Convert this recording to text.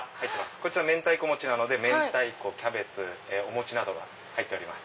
こちら明太子もちなので明太子キャベツお餅が入ってます。